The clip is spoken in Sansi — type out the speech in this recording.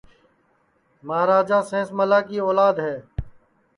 مہاراجا سینس ملا کی اولاد ہے